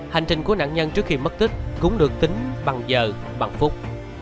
hành trình của nạn nhân trước khi mất tích cũng được tính bằng giờ bằng phút